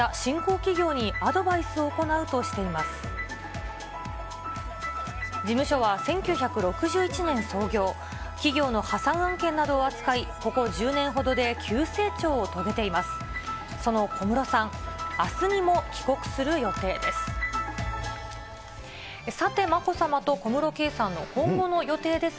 企業の破産案件などを扱い、ここ１０年ほどで急成長を遂げています。